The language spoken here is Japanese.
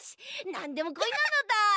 なんでもこいなのだ。